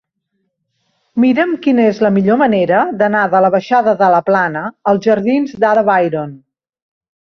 Mira'm quina és la millor manera d'anar de la baixada de la Plana als jardins d'Ada Byron.